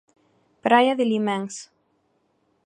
Praia de Liméns.